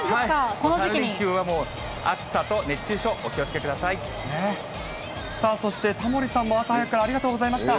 ３連休は暑さと熱中症、さあ、そしてタモリさんも、朝早くからありがとうございました。